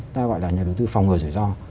ta gọi là nhà đầu tư phòng ngừa rủi ro